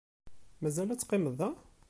Mazal ad teqqimeḍ da?